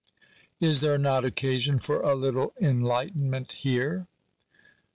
Is there not occasion for a little " enlightenment" here